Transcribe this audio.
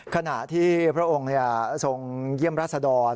ขณะที่พระองค์ทรงเยี่ยมราชดร